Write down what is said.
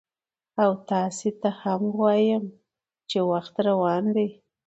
او تاسو ته هم وایم چې وخت روان دی،